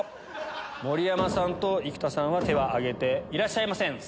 盛山さんと生田さんは手は挙げていらっしゃいません。